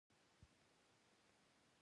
ایا زه له یو لوښي خوړلی شم؟